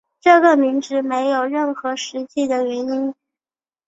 这个名字没有任何实际的原因。